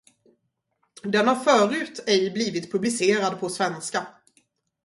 Den har förut ej blivit publicerad på svenska.